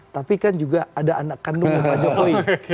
tapi kan juga ada anak kandungnya pak jokowi